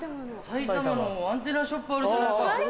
埼玉のアンテナショップだ。